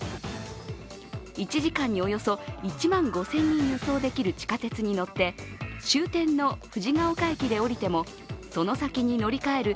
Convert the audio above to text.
１時間におよそ１万５０００人輸送できる地下鉄に乗って終点の藤が丘駅で降りても、その先に乗り換える